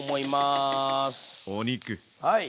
はい。